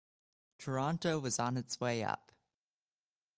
Toronto was on its way up.